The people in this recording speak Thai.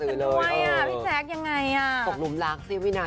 เท่ากันดีกว่า